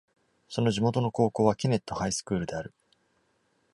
その地元の高校は、ケネット・ハイ・スクールである。